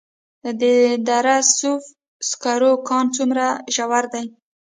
د دره صوف سکرو کان څومره ژور دی؟